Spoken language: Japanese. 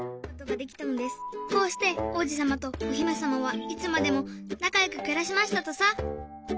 こうしておうじさまとおひめさまはいつまでもなかよくくらしましたとさ。